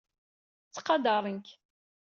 Ttqadaren-k.